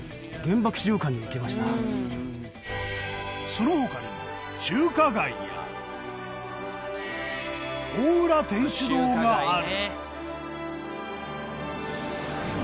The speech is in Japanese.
その他にも中華街や大浦天主堂がある。